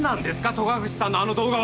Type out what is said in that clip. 戸隠さんのあの動画は！